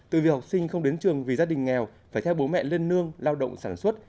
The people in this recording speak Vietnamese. từ việc học sinh không đến trường vì gia đình nghèo phải theo bố mẹ lên nương lao động sản xuất